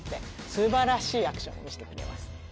素晴らしいアクションを見せてくれます。